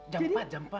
jam empat jam empat